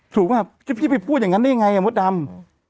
ถูกไหมฮะพี่ไปพูดอย่างนั้นได้ยังไงอะมดดำ